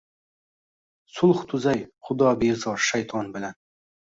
Sulh tuzay xudobezor shayton bilan.